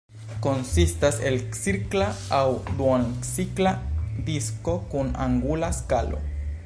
Konsistas el cirkla aŭ duoncirkla disko kun angula skalo.